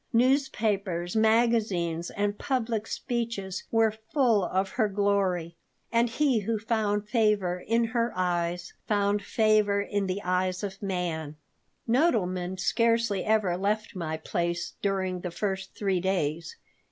Newspapers, magazines, and public speeches were full of her glory, and he who found favor in her eyes found favor in the eyes of man Nodelman scarcely ever left my place during the first three days.